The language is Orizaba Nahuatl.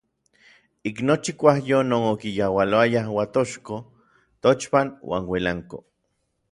Ik nochi kuajyo non okiyaualoaya Uatochko, Tochpan uan Uilanko.